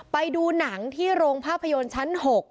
ไปดูหนังที่โรงภาพยนตร์ชั้น๖